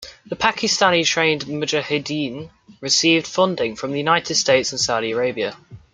The Pakistani-trained mujahideen received funding from the United States and Saudi Arabia.